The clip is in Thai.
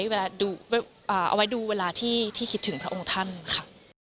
เอาไว้ดูเวลาที่คิดถึงพระองค์ท่านค่ะ